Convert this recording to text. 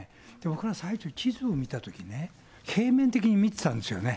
これ最初、地図を見たときね、平面的に見てたんですよね。